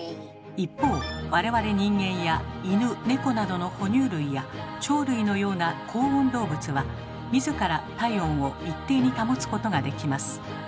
一方我々人間や犬猫などの哺乳類や鳥類のような恒温動物は自ら体温を一定に保つことができます。